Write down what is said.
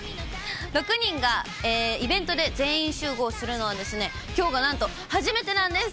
６人がイベントで全員集合するのはですね、きょうがなんと初めてなんです。